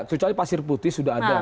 kecuali pasir putih sudah ada